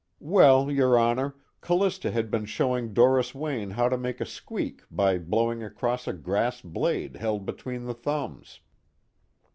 "Well, your Honor, Callista had been showing Doris Wayne how to make a squeak by blowing across a grass blade held between the thumbs.